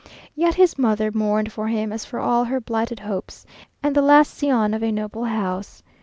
Yet his mother mourned for him as for all her blighted hopes, and the last scion of a noble house.